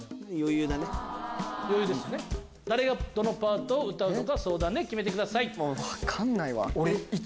誰がどのパートを歌うのか相談で決めてください。